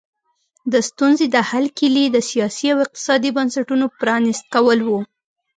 د ستونزې د حل کیلي د سیاسي او اقتصادي بنسټونو پرانیست کول وو.